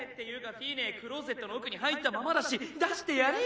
フィーネクローゼットの奥に入ったままだし出してやれよ。